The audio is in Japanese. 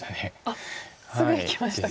あっすぐいきましたか。